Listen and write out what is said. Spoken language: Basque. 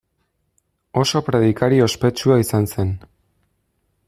Oso predikari ospetsua izan zen.